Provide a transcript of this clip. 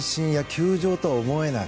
球場とは思えない。